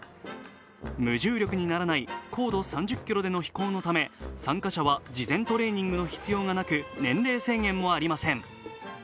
無重力にならない高度３０ｋｍでの飛行のため、参加者は事前トレーニングの必要がなく、年齢制限もありません。